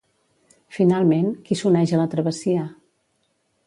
Finalment, qui s'uneix a la travessia?